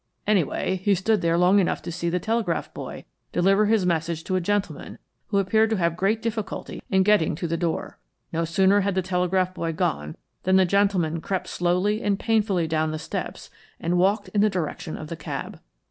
Anyway, he stood there long enough to see the telegraph boy deliver his message to a gentleman who appeared to have great difficulty in getting to the door. No sooner had the telegraph boy gone than the gentleman crept slowly and painfully down the steps and walked in the direction of the cab.